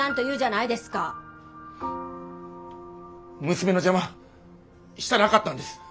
娘の邪魔したなかったんです。